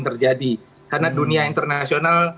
terjadi karena dunia internasional